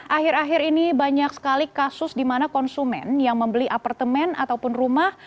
akhir akhir ini banyak sekali kasus di mana konsumen yang membeli apartemen ataupun rumah